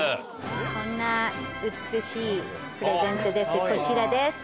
こんな美しいプレゼントですこちらです。